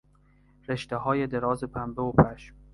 رشتههای دراز پنبه و پشم